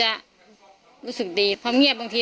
ถ้าใครอยากรู้ว่าลุงพลมีโปรแกรมทำอะไรที่ไหนยังไง